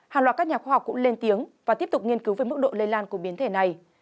hàng loạt các nhà khoa học cũng lên tiếng và tiếp tục nghiên cứu về mức độ lây lan của biến thể này